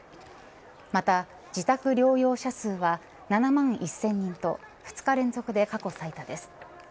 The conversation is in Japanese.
また、自宅療養者数は７万１０００人と２日連続で過去最多です。